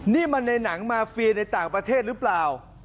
นี่มันในหนังมาเฟียในต่างประเทศหรือเปล่า